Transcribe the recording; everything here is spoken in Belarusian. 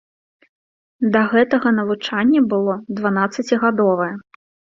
Да гэтага навучанне было дванаццацігадовае.